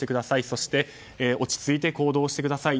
そして落ち着いて行動してください。